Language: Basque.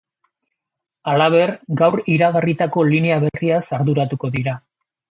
Halaber, gaur iragarritako linea berriaz arduratuko dira.